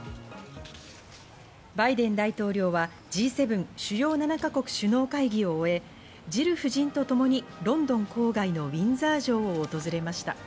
バイデン大統領はＧ７＝主要７か国首脳会議を終え、ジル夫人とともにロンドン郊外のウィンザー城を訪れました。